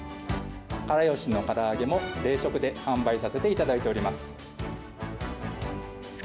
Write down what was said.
から好しのから揚げを、冷食で販売させていただいております。